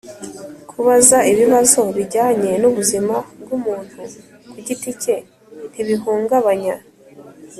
kubaza ibibazo bijyanye n‘ubuzima bw‘umuntu ku giti cye ntibihungabanya